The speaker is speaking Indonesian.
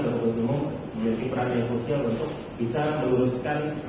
terutama untuk memiliki peran yang fungsi untuk bisa meluruskan